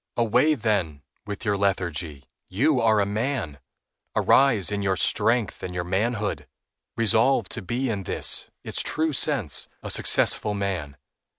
Away, then, with your lethargy. You are a man; arise in your strength and your manhood. Resolve to be in this, its true sense, a successful man.